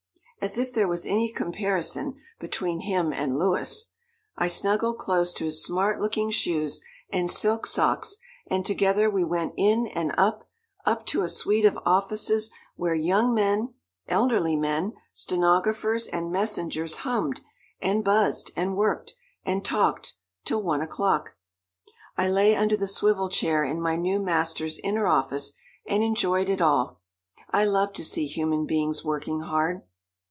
As if there was any comparison between him and Louis! I snuggled close to his smart looking shoes and silk socks, and together we went in and up, up to a suite of offices where young men, elderly men, stenographers and messengers hummed, and buzzed, and worked, and talked till one o'clock. I lay under the swivel chair in my new master's inner office, and enjoyed it all. I love to see human beings working hard.